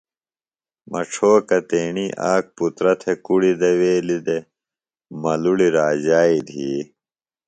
مڇھوکہ تیݨی آک پُترہ تھےۡ کڑیۡ دویلیۡ دےۡ ملُڑی راجائی دِھی